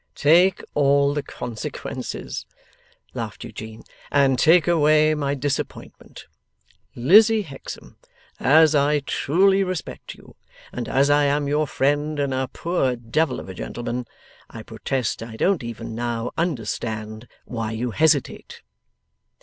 'Take all the consequences,' laughed Eugene, 'and take away my disappointment. Lizzie Hexam, as I truly respect you, and as I am your friend and a poor devil of a gentleman, I protest I don't even now understand why you hesitate.